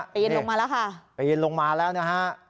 ปีนลงมาแล้วค่ะปีนลงมาแล้วนะฮะ